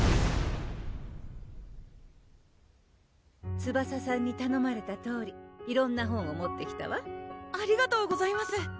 ツバサさんにたのまれたとおり色んな本を持ってきたわありがとうございます！